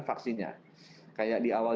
vaksinnya kayak di awal